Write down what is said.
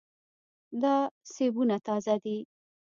دا سیبونه تازه دي.